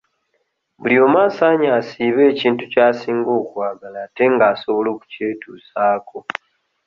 Buli omu asaanye asiibe ekintu ky'asinga okwagala ate nga asobola okukyetuusaako.